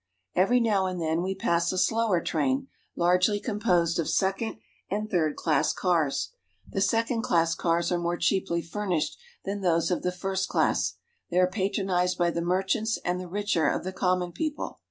Every now and then we pass a slower train, largely composed of second and third class cars. The second class cars are more cheaply furnished than those of the first class ; they are patronized by the merchants and the richer of the common people.